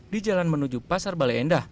di jalan menuju pasar bale endah